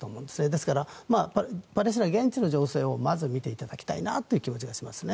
ですからパレスチナ現地の情勢をまず見ていただきたいなという気持ちがしますね。